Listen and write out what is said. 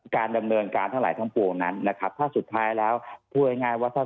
การดำเนินการทั้งหลายทั้งแต่ถ้าสุดท้ายแล้วพูดง่ายว่า